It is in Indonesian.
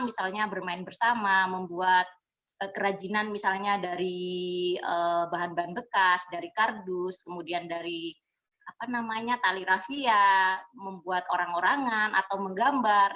misalnya bermain bersama membuat kerajinan misalnya dari bahan bahan bekas dari kardus kemudian dari tali rafia membuat orang orangan atau menggambar